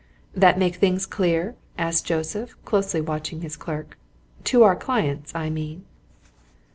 "That make things clear?" asked Joseph, closely watching his clerk. "To our clients, I mean?"